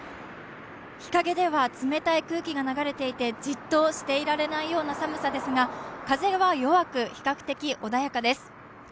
日陰では冷たい空気が流れていてじっとしていられないような寒さですが風は弱く、比較的穏やかです。